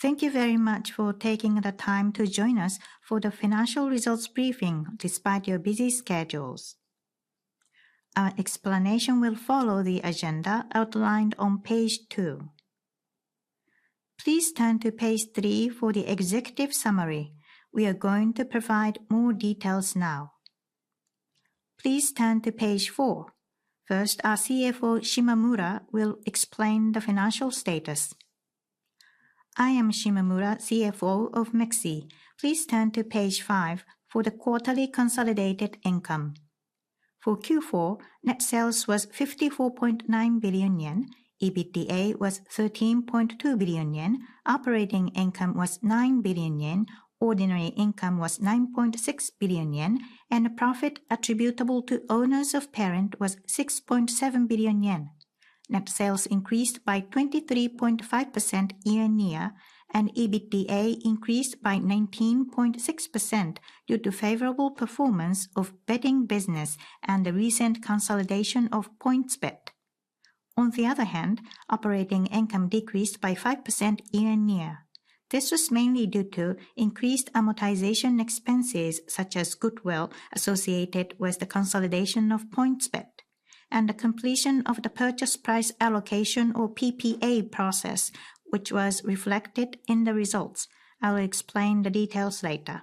Thank you very much for taking the time to join us for the financial results briefing despite your busy schedules. Our explanation will follow the agenda outlined on page two. Please turn to page three for the executive summary. We are going to provide more details now. Please turn to page four. First, our CFO Shimamura will explain the financial status. I am Shimamura, CFO of MIXI. Please turn to page five for the quarterly consolidated income. For Q4, net sales was 54.9 billion yen, EBITDA was 13.2 billion yen, operating income was 9 billion yen, ordinary income was 9.6 billion yen, and the profit attributable to owners of parent was 6.7 billion yen. Net sales increased by 23.5% year-on-year, and EBITDA increased by 19.6% due to favorable performance of betting business and the recent consolidation of PointsBet. On the other hand, operating income decreased by 5% year-on-year. This was mainly due to increased amortization expenses such as goodwill associated with the consolidation of PointsBet and the completion of the purchase price allocation or PPA process, which was reflected in the results. I will explain the details later.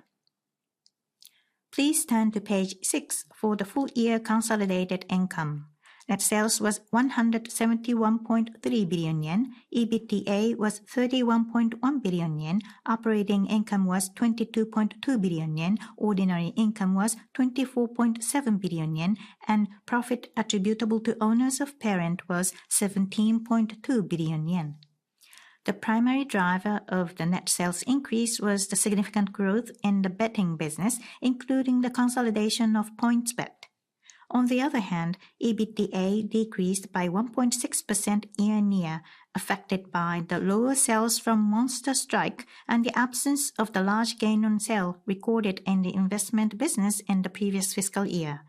Please turn to page 6 for the full year consolidated income. Net sales was 171.3 billion yen, EBITDA was 31.1 billion yen, operating income was 22.2 billion yen, ordinary income was 24.7 billion yen, and profit attributable to owners of parent was 17.2 billion yen. The primary driver of the net sales increase was the significant growth in the betting business, including the consolidation of PointsBet. On the other hand, EBITDA decreased by 1.6% year-on-year, affected by the lower sales from Monster Strike and the absence of the large gain on sale recorded in the investment business in the previous fiscal year.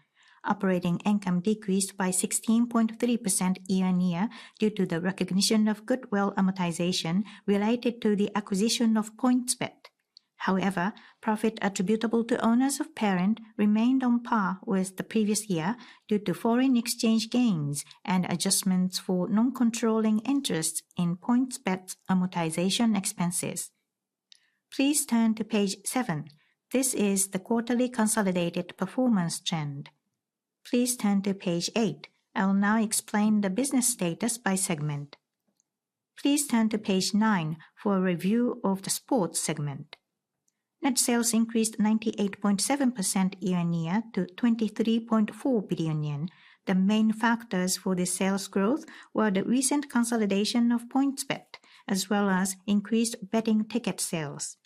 Operating income decreased by 16.3% year-on-year due to the recognition of goodwill amortization related to the acquisition of PointsBet. However, profit attributable to owners of parent remained on par with the previous year due to foreign exchange gains and adjustments for non-controlling interests in PointsBet's amortization expenses. Please turn to page seven. This is the quarterly consolidated performance trend. Please turn to page eight. I will now explain the business status by segment. Please turn to page nine for a review of the sports segment. Net sales increased 98.7% year-on-year to 23.4 billion yen. The main factors for the sales growth were the recent consolidation of PointsBet, as well as increased betting ticket sales.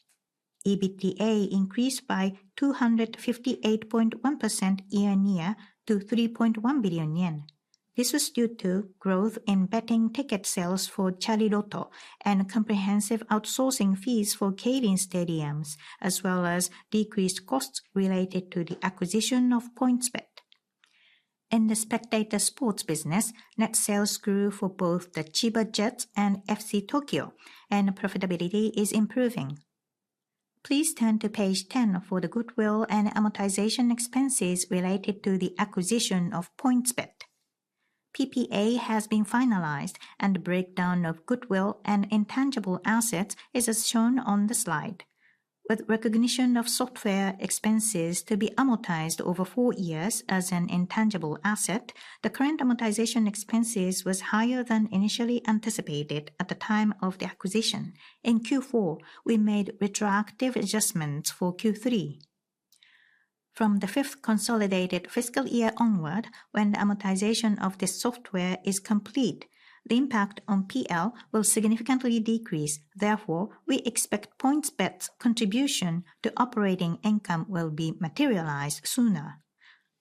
EBITDA increased by 258.1% year-on-year to 3.1 billion yen. This was due to growth in betting ticket sales for Chariloto and comprehensive outsourcing fees for Keirin stadiums, as well as decreased costs related to the acquisition of PointsBet. In the spectator sports business, net sales grew for both the Chiba Jets and FC Tokyo, and profitability is improving. Please turn to page 10 for the goodwill and amortization expenses related to the acquisition of PointsBet. PPA has been finalized and the breakdown of goodwill and intangible assets is as shown on the slide. With recognition of software expenses to be amortized over four years as an intangible asset, the current amortization expenses was higher than initially anticipated at the time of the acquisition. In Q4, we made retroactive adjustments for Q3. From the fifth consolidated fiscal year onward, when the amortization of this software is complete, the impact on PL will significantly decrease. Therefore, we expect PointsBet's contribution to operating income will be materialized sooner.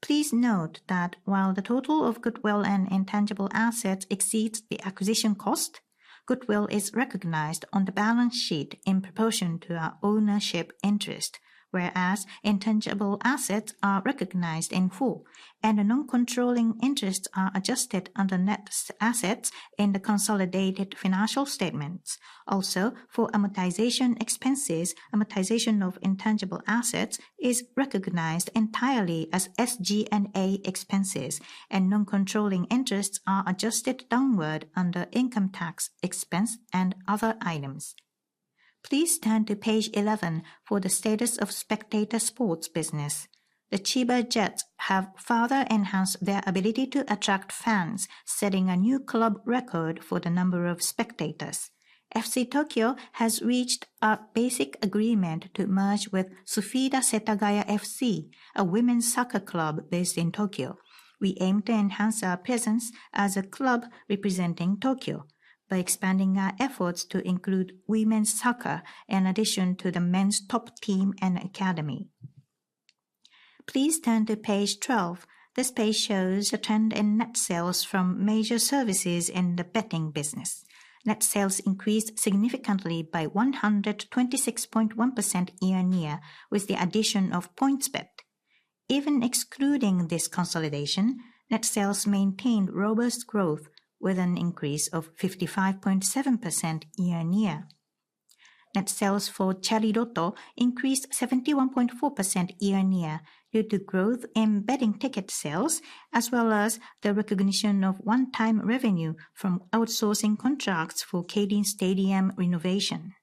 Please note that while the total of goodwill and intangible assets exceeds the acquisition cost, goodwill is recognized on the balance sheet in proportion to our ownership interest. Whereas intangible assets are recognized in full and the non-controlling interests are adjusted under net assets in the consolidated financial statements. Also, for amortization expenses, amortization of intangible assets is recognized entirely as SG&A expenses and non-controlling interests are adjusted downward under income tax expense and other items. Please turn to page 11 for the status of spectator sports business. The Chiba Jets have further enhanced their ability to attract fans, setting a new club record for the number of spectators. FC Tokyo has reached a basic agreement to merge with Sfida Setagaya FC, a women's soccer club based in Tokyo. We aim to enhance our presence as a club representing Tokyo by expanding our efforts to include women's soccer in addition to the men's top team and academy. Please turn to page 12. This page shows the trend in net sales from major services in the betting business. Net sales increased significantly by 126.1% year-on-year with the addition of PointsBet. Even excluding this consolidation, net sales maintained robust growth with an increase of 55.7% year-on-year. Net sales for Chariloto increased 71.4% year-on-year due to growth in betting ticket sales, as well as the recognition of one-time revenue from outsourcing contracts for Keirin stadiums renovation.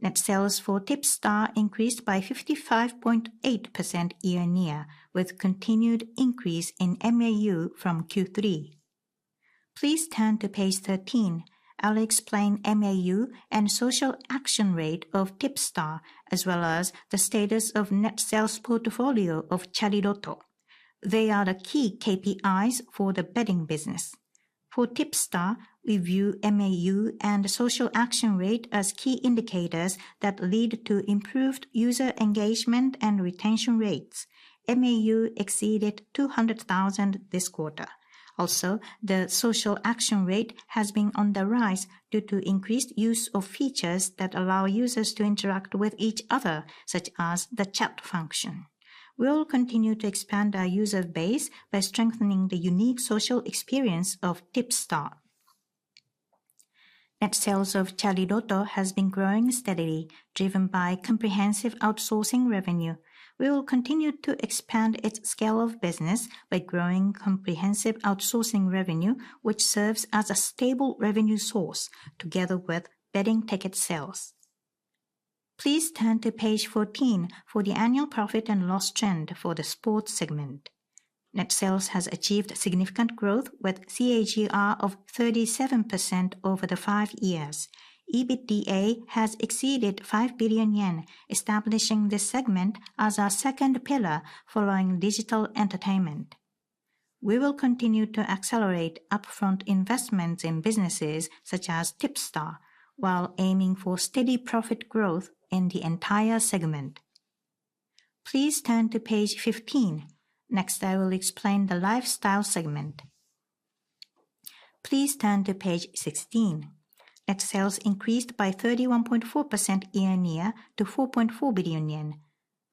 Net sales for TIPSTAR increased by 55.8% year-on-year with continued increase in MAU from Q3. Please turn to page 13. I'll explain MAU and social action rate of TIPSTAR, as well as the status of net sales portfolio of Chariloto. They are the key KPIs for the betting business. For TIPSTAR, we view MAU and social action rate as key indicators that lead to improved user engagement and retention rates. MAU exceeded 200,000 this quarter. The social action rate has been on the rise due to increased use of features that allow users to interact with each other, such as the chat function. We'll continue to expand our user base by strengthening the unique social experience of TIPSTAR. Net sales of Chariloto has been growing steadily, driven by comprehensive outsourcing revenue. We will continue to expand its scale of business by growing comprehensive outsourcing revenue, which serves as a stable revenue source together with betting ticket sales. Please turn to page 14 for the annual profit and loss trend for the sports segment. Net sales has achieved significant growth with CAGR of 37% over the five years. EBITDA has exceeded 5 billion yen, establishing this segment as our second pillar following digital entertainment. We will continue to accelerate upfront investments in businesses such as TIPSTAR while aiming for steady profit growth in the entire segment. Please turn to page 15. Next, I will explain the lifestyle segment. Please turn to page 16. Net sales increased by 31.4% year-on-year to 4.4 billion yen.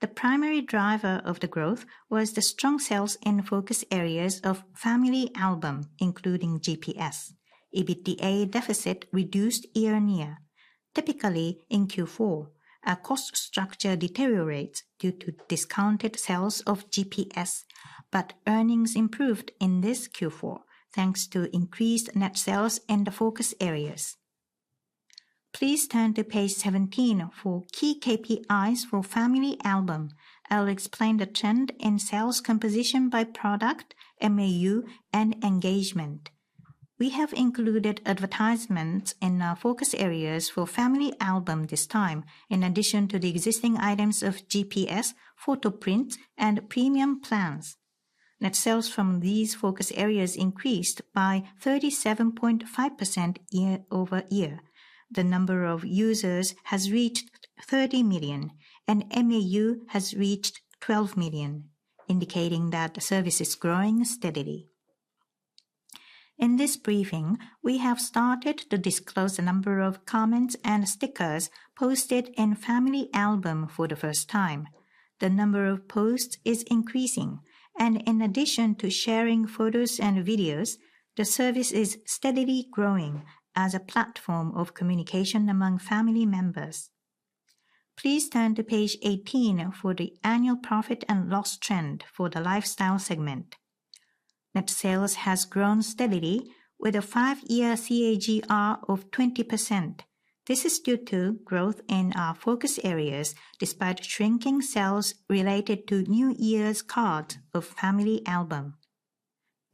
The primary driver of the growth was the strong sales in focus areas of FamilyAlbum, including GPS. EBITDA deficit reduced year-on-year. Typically, in Q4, our cost structure deteriorates due to discounted sales of GPS, but earnings improved in this Q4, thanks to increased net sales in the focus areas. Please turn to page 17 for key KPIs for FamilyAlbum. I'll explain the trend in sales composition by product, MAU, and engagement. We have included advertisements in our focus areas for FamilyAlbum this time, in addition to the existing items of GPS, photo prints, and FamilyAlbum Premium. Net sales from these focus areas increased by 37.5% year over year. The number of users has reached 30 million, and MAU has reached 12 million, indicating that the service is growing steadily. In this briefing, we have started to disclose the number of comments and stickers posted in FamilyAlbum for the first time. The number of posts is increasing, and in addition to sharing photos and videos, the service is steadily growing as a platform of communication among family members. Please turn to page 18 for the annual profit and loss trend for the Lifestyle segment. Net sales has grown steadily with a five-year CAGR of 20%. This is due to growth in our focus areas despite shrinking sales related to New Year's cards of FamilyAlbum.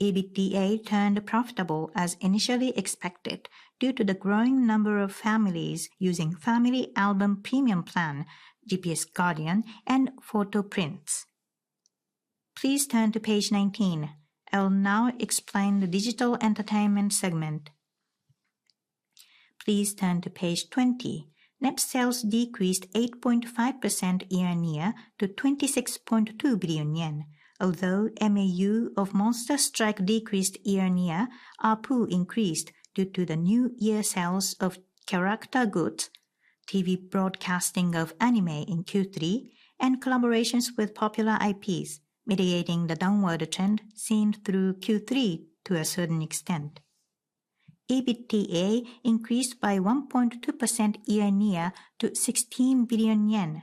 EBITDA turned profitable as initially expected due to the growing number of families using FamilyAlbum Premium Plan, GPS Guardian, and photo prints. Please turn to page 19. I'll now explain the Digital Entertainment segment. Please turn to page 20. Net sales decreased 8.5% year-on-year to 26.2 billion yen. Although MAU of Monster Strike decreased year-on-year, ARPU increased due to the new year sales of character goods, TV broadcasting of anime in Q3, and collaborations with popular IPs, mediating the downward trend seen through Q3 to a certain extent. EBITDA increased by 1.2% year-on-year to 16 billion yen.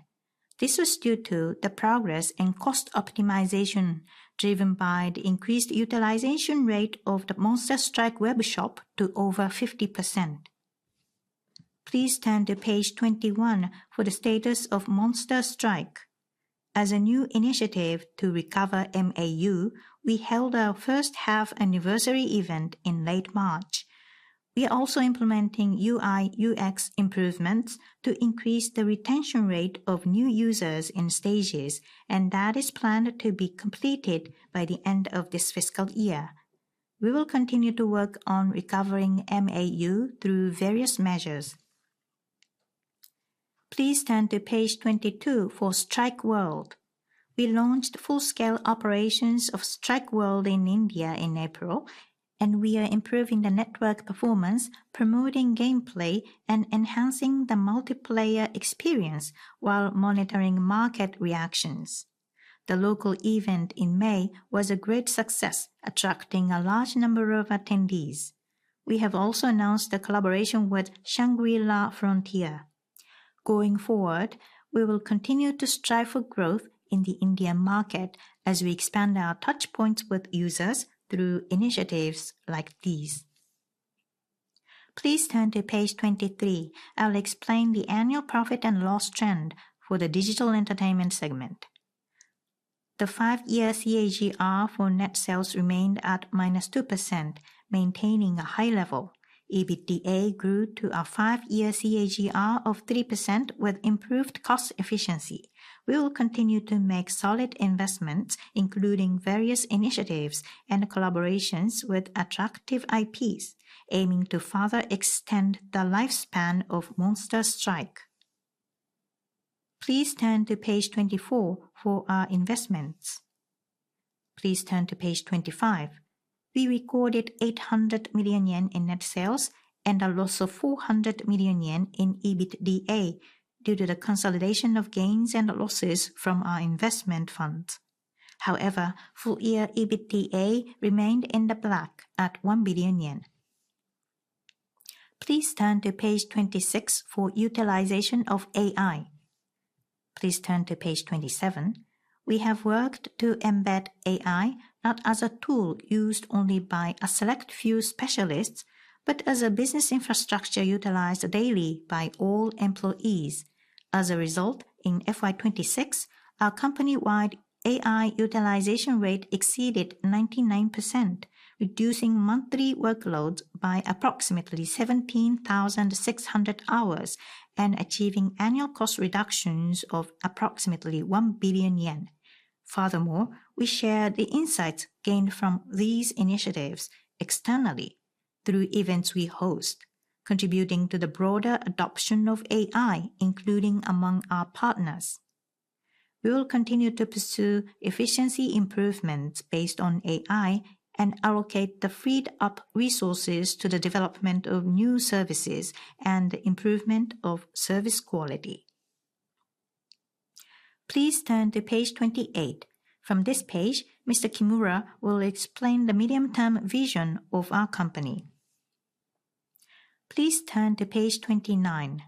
This was due to the progress in cost optimization driven by the increased utilization rate of the Monster Strike WEB Shop to over 50%. Please turn to page 21 for the status of Monster Strike. As a new initiative to recover MAU, we held our first half anniversary event in late March. We are also implementing UI/UX improvements to increase the retention rate of new users in stages, and that is planned to be completed by the end of this fiscal year. We will continue to work on recovering MAU through various measures. Please turn to page 22 for STRIKE WORLD. We launched full-scale operations of STRIKE WORLD in India in April. We are improving the network performance, promoting gameplay, and enhancing the multiplayer experience while monitoring market reactions. The local event in May was a great success, attracting a large number of attendees. We have also announced a collaboration with Shangri-La Frontier. Going forward, we will continue to strive for growth in the Indian market as we expand our touchpoints with users through initiatives like these. Please turn to page 23. I'll explain the annual profit and loss trend for the digital entertainment segment. The five-year CAGR for net sales remained at minus 2%, maintaining a high level. EBITDA grew to a five-year CAGR of 3% with improved cost efficiency. We will continue to make solid investments, including various initiatives and collaborations with attractive IPs, aiming to further extend the lifespan of Monster Strike. Please turn to page 24 for our investments. Please turn to page 25. We recorded 800 million yen in net sales and a loss of 400 million yen in EBITDA due to the consolidation of gains and losses from our investment funds. Full year EBITDA remained in the black at 1 billion yen. Please turn to page 26 for utilization of AI. Please turn to page 27. We have worked to embed AI not as a tool used only by a select few specialists, but as a business infrastructure utilized daily by all employees. As a result, in FY 2026, our company-wide AI utilization rate exceeded 99%, reducing monthly workloads by approximately 17,600 hours and achieving annual cost reductions of approximately 1 billion yen. Furthermore, we share the insights gained from these initiatives externally through events we host, contributing to the broader adoption of AI, including among our partners. We will continue to pursue efficiency improvements based on AI and allocate the freed up resources to the development of new services and the improvement of service quality. Please turn to page 28. From this page, Mr. Kimura will explain the medium-term vision of our company. Please turn to page 29.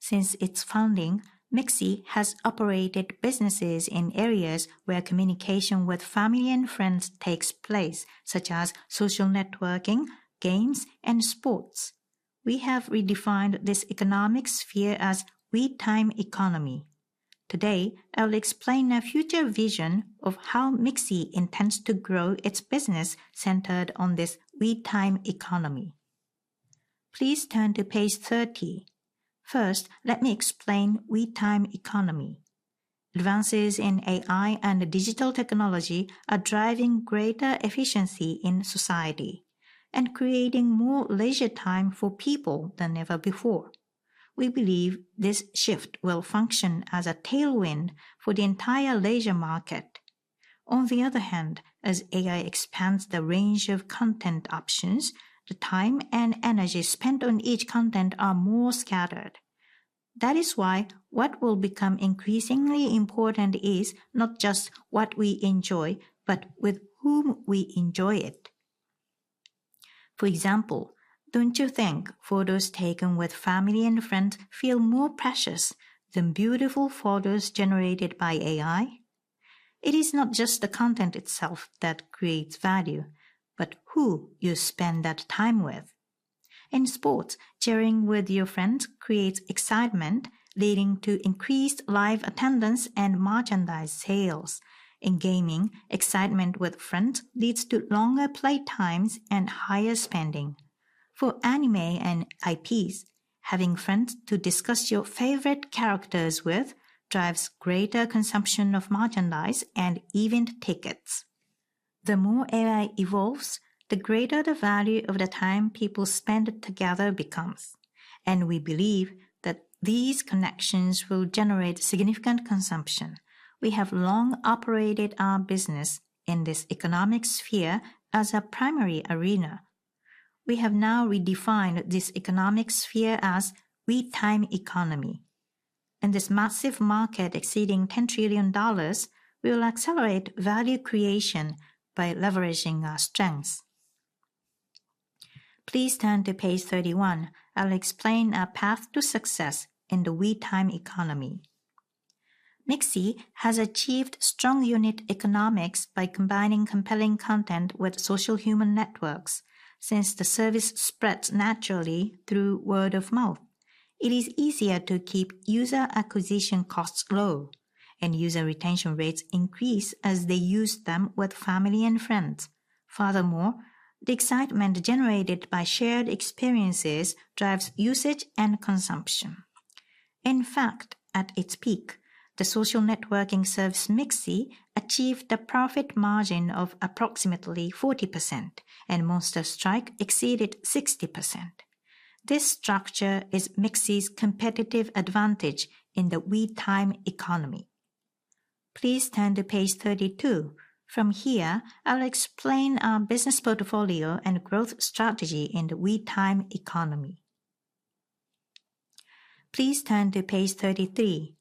Since its founding, MIXI has operated businesses in areas where communication with family and friends takes place, such as social networking, games, and sports. We have redefined this economic sphere as WeTime Economy. Today, I will explain our future vision of how MIXI intends to grow its business centered on this WeTime Economy. Please turn to page 30. First, let me explain WeTime Economy. Advances in AI and digital technology are driving greater efficiency in society and creating more leisure time for people than ever before. We believe this shift will function as a tailwind for the entire leisure market. On the other hand, as AI expands the range of content options, the time and energy spent on each content are more scattered. That is why what will become increasingly important is not just what we enjoy, but with whom we enjoy it. For example, don't you think photos taken with family and friends feel more precious than beautiful photos generated by AI? It is not just the content itself that creates value, but who you spend that time with. In sports, cheering with your friends creates excitement, leading to increased live attendance and merchandise sales. In gaming, excitement with friends leads to longer play times and higher spending. For anime and IPs, having friends to discuss your favorite characters with drives greater consumption of merchandise and event tickets. The more AI evolves, the greater the value of the time people spend together becomes, and we believe that these connections will generate significant consumption. We have long operated our business in this economic sphere as a primary arena. We have now redefined this economic sphere as WeTime Economy. In this massive market exceeding JPY 10 trillion, we will accelerate value creation by leveraging our strengths. Please turn to page 31. I'll explain our path to success in the WeTime Economy. MIXI has achieved strong unit economics by combining compelling content with social human networks. Since the service spreads naturally through word of mouth, it is easier to keep user acquisition costs low, and user retention rates increase as they use them with family and friends. Furthermore, the excitement generated by shared experiences drives usage and consumption. In fact, at its peak, the social networking service mixi achieved a profit margin of approximately 40%, and Monster Strike exceeded 60%. This structure is MIXI's competitive advantage in the WeTime Economy. Please turn to page 32. From here, I'll explain our business portfolio and growth strategy in the WeTime Economy. Please turn to page 33.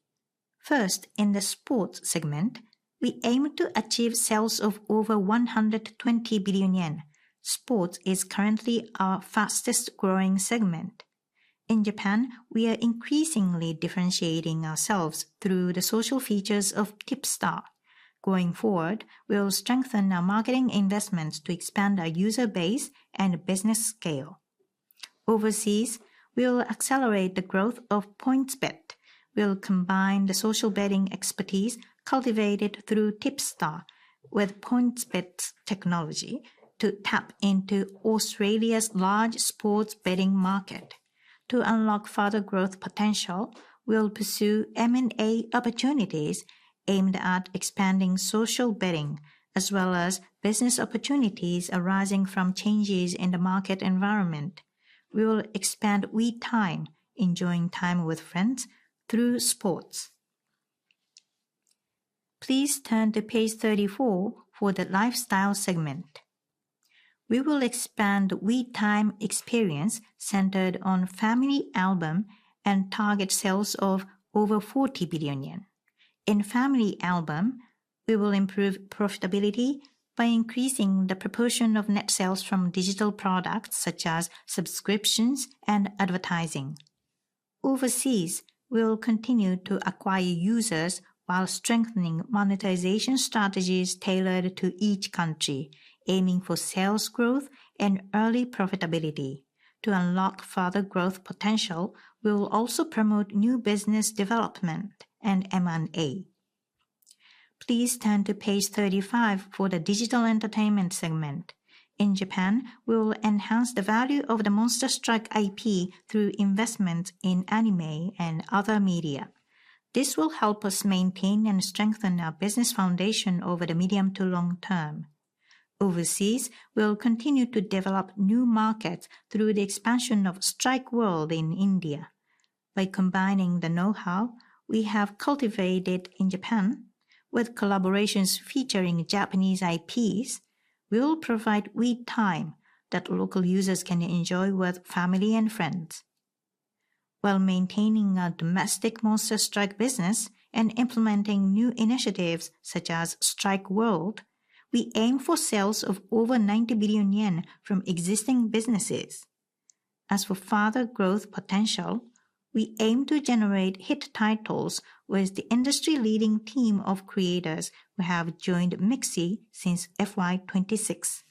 First, in the sports segment, we aim to achieve sales of over 120 billion yen. Sports is currently our fastest growing segment. In Japan, we are increasingly differentiating ourselves through the social features of TIPSTAR. Going forward, we will strengthen our marketing investments to expand our user base and business scale. Overseas, we will accelerate the growth of PointsBet. We'll combine the social betting expertise cultivated through TIPSTAR with PointsBet's technology to tap into Australia's large sports betting market. To unlock further growth potential, we'll pursue M&A opportunities aimed at expanding social betting as well as business opportunities arising from changes in the market environment. We will expand WeTime, enjoying time with friends through sports. Please turn to page 34 for the lifestyle segment. We will expand WeTime experience centered on FamilyAlbum and target sales of over 40 billion yen. In FamilyAlbum, we will improve profitability by increasing the proportion of net sales from digital products such as subscriptions and advertising. Overseas, we will continue to acquire users while strengthening monetization strategies tailored to each country, aiming for sales growth and early profitability. To unlock further growth potential, we will also promote new business development and M&A. Please turn to page 35 for the digital entertainment segment. In Japan, we will enhance the value of the Monster Strike IP through investment in anime and other media. This will help us maintain and strengthen our business foundation over the medium to long term. Overseas, we will continue to develop new markets through the expansion of STRIKE WORLD in India. By combining the know-how we have cultivated in Japan with collaborations featuring Japanese IPs, we will provide WeTime that local users can enjoy with family and friends. While maintaining our domestic Monster Strike business and implementing new initiatives such as STRIKE WORLD, we aim for sales of over 90 billion yen from existing businesses. As for further growth potential, we aim to generate hit titles with the industry leading team of creators who have joined MIXI since FY 2026.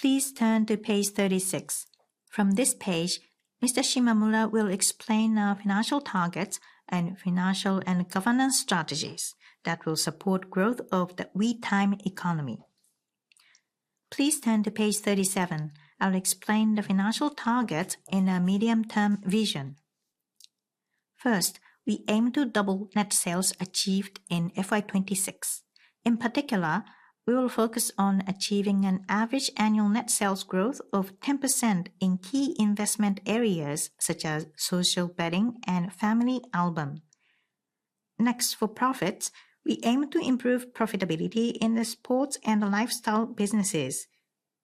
Please turn to page 36. From this page, Mr. Shimamura will explain our financial targets and financial and governance strategies that will support growth of the WeTime Economy. Please turn to page 37. I'll explain the financial targets in our medium-term vision. First, we aim to double net sales achieved in FY 2026. In particular, we will focus on achieving an average annual net sales growth of 10% in key investment areas such as social betting and FamilyAlbum. For profits, we aim to improve profitability in the sports and lifestyle businesses.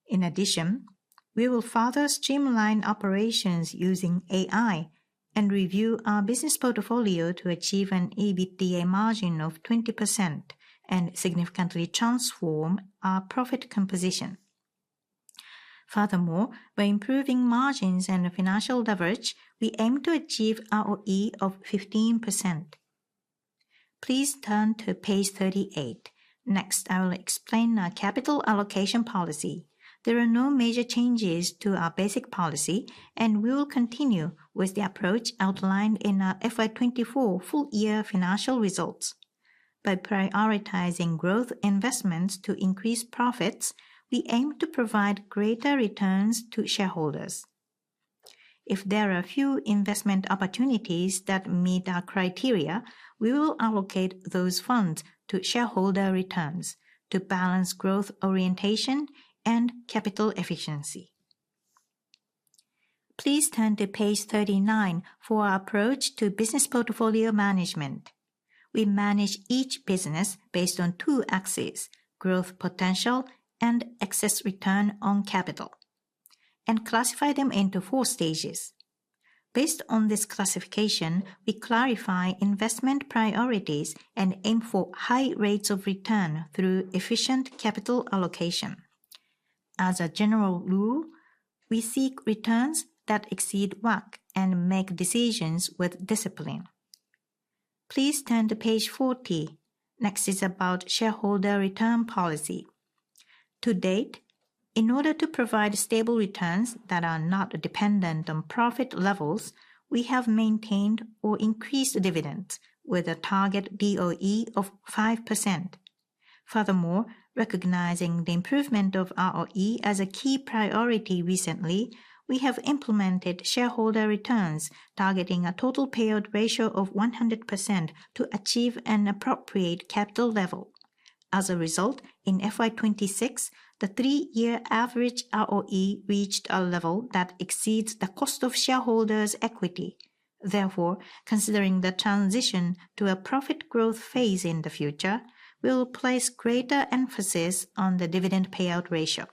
In addition, we will further streamline operations using AI and review our business portfolio to achieve an EBITDA margin of 20% and significantly transform our profit composition. Furthermore, by improving margins and financial leverage, we aim to achieve ROE of 15%. Please turn to page 38. Next, I will explain our capital allocation policy. There are no major changes to our basic policy, and we will continue with the approach outlined in our FY 2024 full year financial results. By prioritizing growth investments to increase profits, we aim to provide greater returns to shareholders. If there are few investment opportunities that meet our criteria, we will allocate those funds to shareholder returns to balance growth orientation and capital efficiency. Please turn to page 39 for our approach to business portfolio management. We manage each business based on two axes, growth potential and excess return on capital, and classify them into four stages. Based on this classification, we clarify investment priorities and aim for high rates of return through efficient capital allocation. As a general rule, we seek returns that exceed WACC and make decisions with discipline. Please turn to page 40. Next is about shareholder return policy. To date, in order to provide stable returns that are not dependent on profit levels, we have maintained or increased dividends with a target DOE of 5%. Furthermore, recognizing the improvement of ROE as a key priority recently, we have implemented shareholder returns targeting a total payout ratio of 100% to achieve an appropriate capital level. As a result, in FY 2026, the three-year average ROE reached a level that exceeds the cost of shareholders' equity. Therefore, considering the transition to a profit growth phase in the future, we'll place greater emphasis on the dividend payout ratio.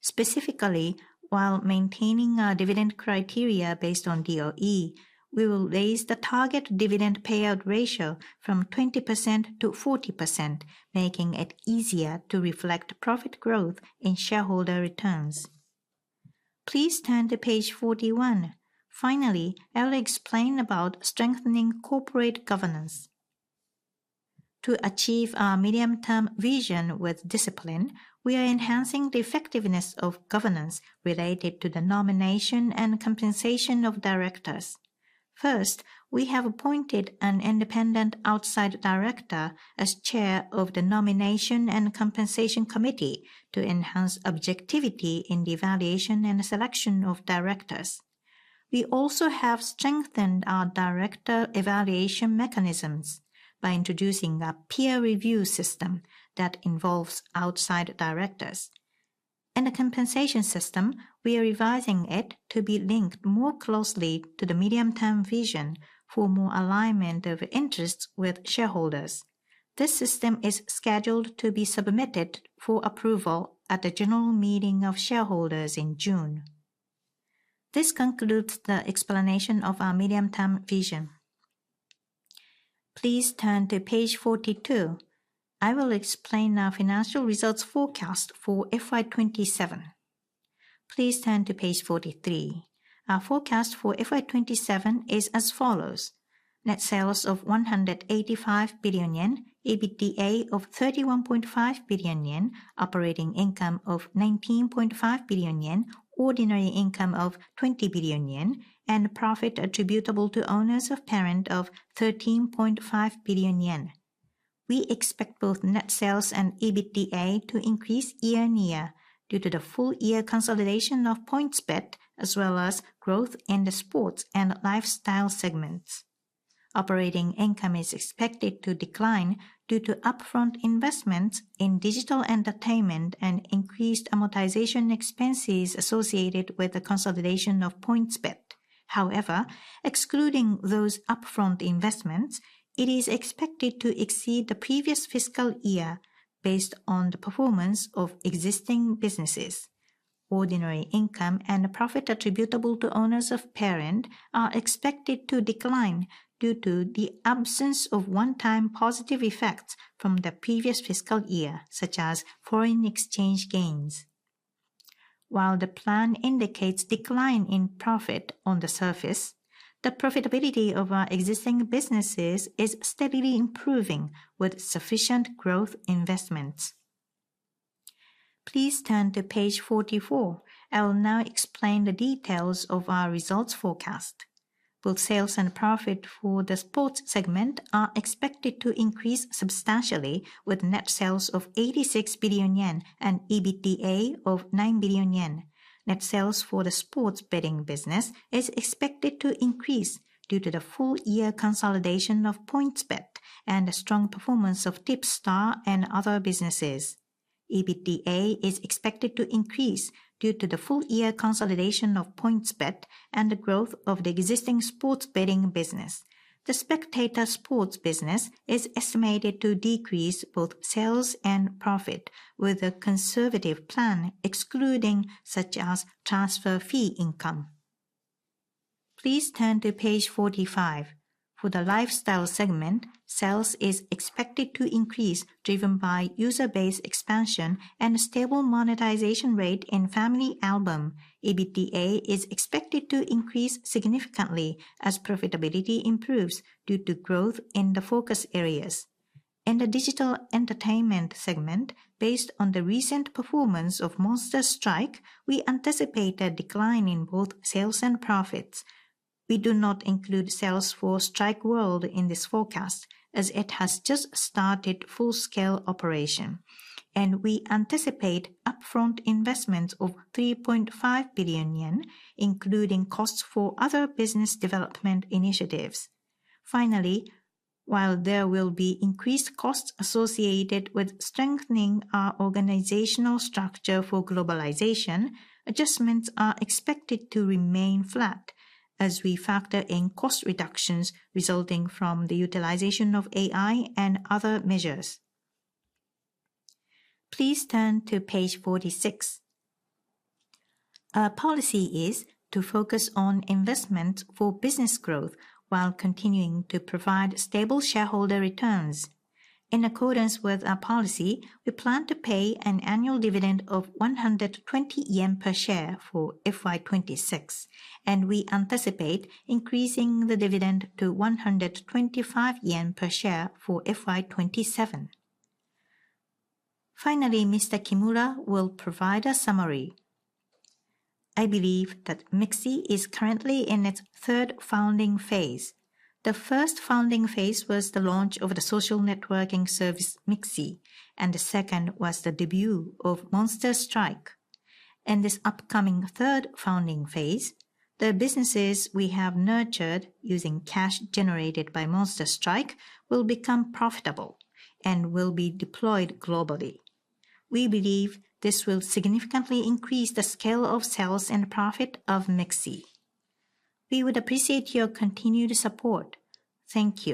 Specifically, while maintaining our dividend criteria based on DOE, we will raise the target dividend payout ratio from 20%-40%, making it easier to reflect profit growth in shareholder returns. Please turn to page 41. I will explain about strengthening corporate governance. To achieve our medium-term vision with discipline, we are enhancing the effectiveness of governance related to the nomination and compensation of directors. We have appointed an independent outside director as chair of the Nomination and Compensation Committee to enhance objectivity in the evaluation and selection of directors. We also have strengthened our director evaluation mechanisms by introducing a peer review system that involves outside directors. In the compensation system, we are revising it to be linked more closely to the medium-term vision for more alignment of interests with shareholders. This system is scheduled to be submitted for approval at the general meeting of shareholders in June. This concludes the explanation of our medium-term vision. Please turn to page 42. I will explain our financial results forecast for FY 2027. Please turn to page 43. Our forecast for FY 2027 is as follows: Net sales of 185 billion yen, EBITDA of 31.5 billion yen, operating income of 19.5 billion yen, ordinary income of 20 billion yen, and profit attributable to owners of parent of 13.5 billion yen. We expect both net sales and EBITDA to increase year-on-year due to the full year consolidation of PointsBet, as well as growth in the sports and lifestyle segments. Operating income is expected to decline due to upfront investments in digital entertainment and increased amortization expenses associated with the consolidation of PointsBet. Excluding those upfront investments, it is expected to exceed the previous fiscal year based on the performance of existing businesses. Ordinary income and profit attributable to owners of parent are expected to decline due to the absence of one-time positive effects from the previous fiscal year, such as foreign exchange gains. The plan indicates decline in profit on the surface, the profitability of our existing businesses is steadily improving with sufficient growth investments. Please turn to page 44. I will now explain the details of our results forecast. Both sales and profit for the sports segment are expected to increase substantially with net sales of 86 billion yen and EBITDA of 9 billion yen. Net sales for the sports betting business is expected to increase due to the full year consolidation of PointsBet and the strong performance of TIPSTAR and other businesses. EBITDA is expected to increase due to the full year consolidation of PointsBet and the growth of the existing sports betting business. The spectator sports business is estimated to decrease both sales and profit with a conservative plan excluding such as transfer fee income. Please turn to page 45. For the lifestyle segment, sales is expected to increase driven by user base expansion and stable monetization rate in FamilyAlbum. EBITDA is expected to increase significantly as profitability improves due to growth in the focus areas. In the digital entertainment segment, based on the recent performance of Monster Strike, we anticipate a decline in both sales and profits. We do not include sales for STRIKE WORLD in this forecast as it has just started full scale operation, and we anticipate upfront investments of 3.5 billion yen, including costs for other business development initiatives. Finally, while there will be increased costs associated with strengthening our organizational structure for globalization, adjustments are expected to remain flat as we factor in cost reductions resulting from the utilization of AI and other measures. Please turn to page 46. Our policy is to focus on investment for business growth while continuing to provide stable shareholder returns. In accordance with our policy, we plan to pay an annual dividend of 120 yen per share for FY 2026, and we anticipate increasing the dividend to 125 yen per share for FY 2027. Finally, Mr. Kimura will provide a summary. I believe that MIXI is currently in its third founding phase. The first founding phase was the launch of the social networking service mixi, and the second was the debut of Monster Strike. In this upcoming third founding phase, the businesses we have nurtured using cash generated by Monster Strike will become profitable and will be deployed globally. We believe this will significantly increase the scale of sales and profit of MIXI. We would appreciate your continued support. Thank you.